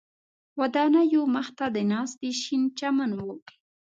ودانیو مخ ته د ناستي شین چمن و.